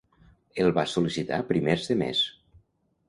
El vas sol·licitar a primers de mes.